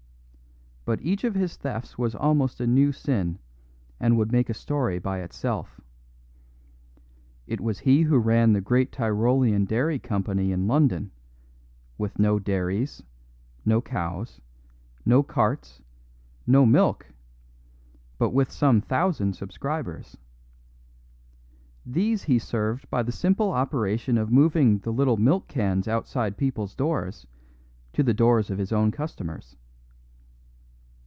But each of his thefts was almost a new sin, and would make a story by itself. It was he who ran the great Tyrolean Dairy Company in London, with no dairies, no cows, no carts, no milk, but with some thousand subscribers. These he served by the simple operation of moving the little milk cans outside people's doors to the doors of his own customers.